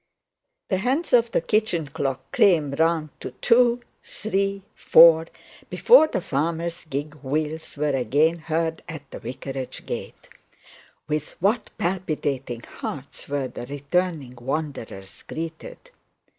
The hands of the kitchen clock came round to two, three, four, before the farmer's gig wheels were agin heard at the vicarage gate. With what palpitating hearts were the returning wanderers greeted!